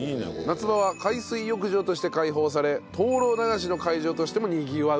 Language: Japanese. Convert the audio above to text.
夏場は海水浴場として開放され灯籠流しの会場としてもにぎわう場所だと。